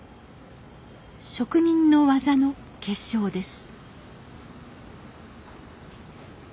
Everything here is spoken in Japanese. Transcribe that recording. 職人の技の結晶です